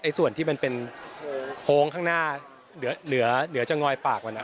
ส่วนที่มันเป็นโค้งข้างหน้าเหลือจะงอยปากมัน